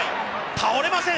倒れません！